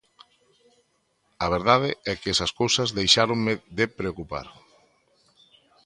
A verdade é que esas cousas deixáronme de preocupar.